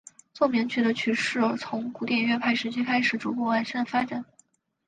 奏鸣曲的曲式从古典乐派时期开始逐步发展完善。